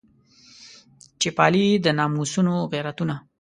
چې پالي د ناموسونو غیرتونه.